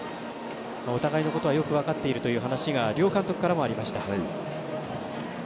お互いのことはよく分かっているということが両監督からもありました。